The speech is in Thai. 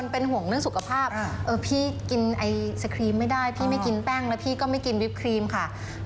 เป็นห่วงเรื่องสุขภาพพี่กินไอศครีมไม่ได้พี่ไม่กินแป้งแล้วพี่ก็ไม่กินวิปครีมค่ะ